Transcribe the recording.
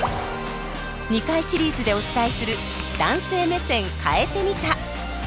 ２回シリーズでお伝えする「“男性目線”変えてみた」。